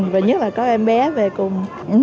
và nhất là có em bé về cùng